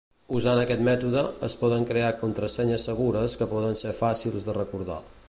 Usant aquest mètode, es poden crear contrasenyes segures que poden ser fàcils de recordar.